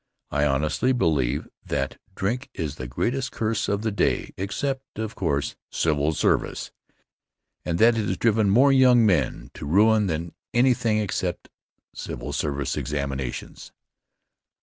I honestly believe that drink is the greatest curse of the day, except, of course. civil service, and that it has driven more young men to ruin than anything except civil service examinations.